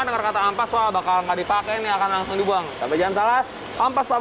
anak kata ampas wabakal nggak dipakai nih akan langsung dibuang tapi jangan salah ampas tahu